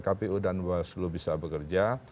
kpu dan bawaslu bisa bekerja